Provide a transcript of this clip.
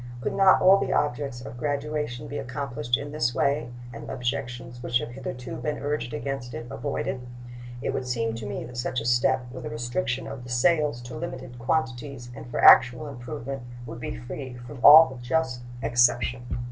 Could not all the objects of graduation be accomplished in this way, and the objections which have hitherto been urged against it avoided? It would seem to me that such a step, with a restriction of the sales to limited quantities and for actual improvement, would be free from all just exception.